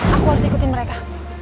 aku harus ikutin mereka